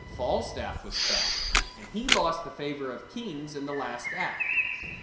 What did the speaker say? Falstaff was fat, and he lost the favor of kings in the last act.